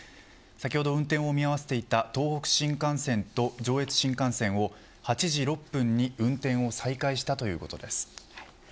先ほど運転を見合わせていた東北新幹線と上越新幹線は８時６分に運転を再開したということです。